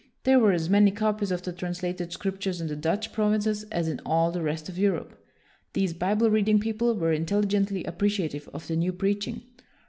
There were as many copies of the translated Scriptures in the Dutch provinces as in all the rest of Europe. These Bible reading people were intelligently appreciative of the new preaching.